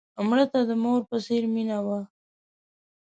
مړه ته د مور په څېر مینه وه